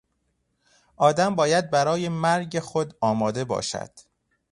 آدم باید برای مرگ خود آماده باشد.